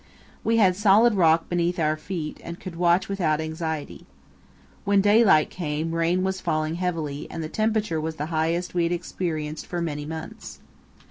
We had solid rock beneath our feet and could watch without anxiety. When daylight came rain was falling heavily, and the temperature was the highest we had experienced for many months.